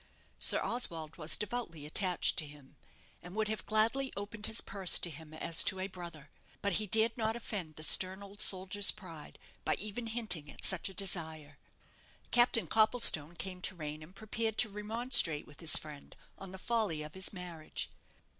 Sir Oswald was devoutly attached to him, and would have gladly opened his purse to him as to a brother; but he dared not offend the stern old soldier's pride by even hinting at such a desire. Captain Copplestone came to Raynham prepared to remonstrate with his friend on the folly of his marriage.